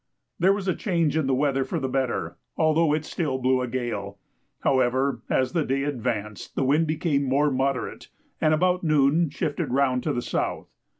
There was a change in the weather for the better, although it still blew a gale; however, as the day advanced the wind became more moderate, and about noon shifted round to the south.